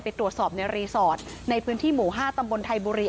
ไปตรวจสอบในรีสอร์ทในพื้นที่หมู่๕ตำบลไทยบุรี